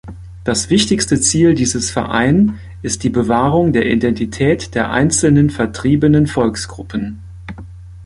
Das wichtigste Ziel dieses Verein ist die Bewahrung der Identität der einzelnen vertriebenen Volksgruppen.